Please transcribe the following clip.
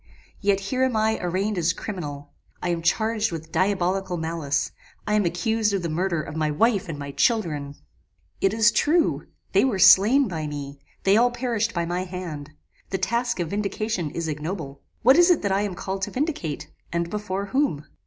yet here am I arraigned as criminal. I am charged with diabolical malice; I am accused of the murder of my wife and my children! "It is true, they were slain by me; they all perished by my hand. The task of vindication is ignoble. What is it that I am called to vindicate? and before whom?